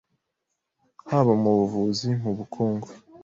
haba mu buvuzi, mu bukungu